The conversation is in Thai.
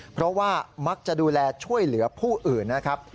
เพราะว่ามักจะดูแลช่วยเหลือผู้อื่นนะครับ